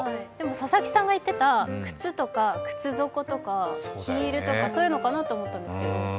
佐々木さんが言ってた靴とか靴底とかヒールとか、そういうのかなと思ったんですけど。